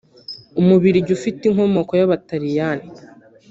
Umubiligi ufite inkomoko y’Abataliyani